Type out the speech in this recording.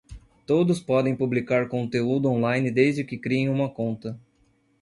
Todos podem publicar conteúdo on-line desde que criem uma conta